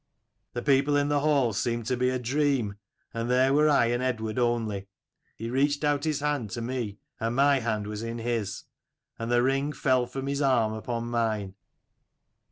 The people in the hall seemed to be a dream, and there were I and Eadward only. He reached out his hand to me, and my hand was in his, and the ring fell from his arm upon mine.